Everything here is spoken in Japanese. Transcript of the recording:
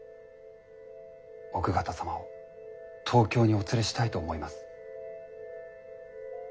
奥方様を東京にお連れしたいと思います。